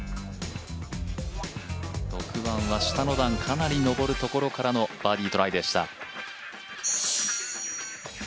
６番は下の段かなり上るところからのバーディートライでした。